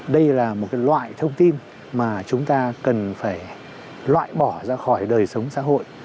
đây là một loại thông tin mà chúng ta cần phải loại bỏ ra khỏi đời sống xã hội